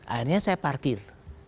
akhirnya saya parkir